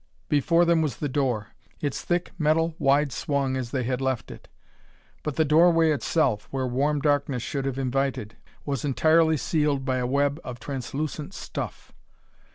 Before them was the door, its thick metal wide swung as they had left it. But the doorway itself, where warm darkness should have invited, was entirely sealed by a web of translucent stuff.